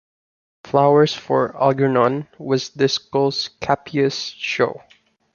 "Flowers for Algernon" was the school's Cappies show.